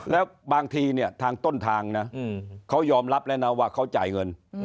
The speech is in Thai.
แล้วบางทีเนี่ยทางต้นทางนะเขายอมรับแล้วนะว่าเขาจ่ายเงิน